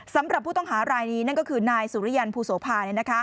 สำหรับผู้ต้องหารายนี้นั่นก็คือนายสุริยันภูโสภา